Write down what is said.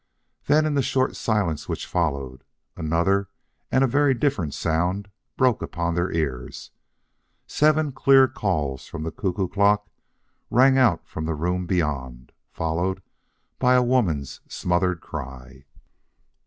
Then in the short silence which followed, another and a very different sound broke upon their ears. Seven clear calls from the cuckoo clock rang out from the room beyond, followed by a woman's smothered cry.